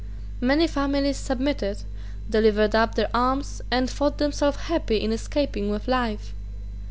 Many families submitted, delivered up their arms, and thought themselves happy in escaping with life.